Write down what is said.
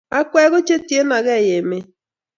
Akwek ko chetienokei emet